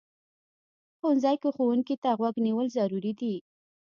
ښوونځی کې ښوونکي ته غوږ نیول ضروري دي